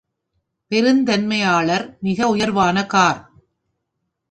பெருந்தன்மையாளர் மிக உயர்வான கார்.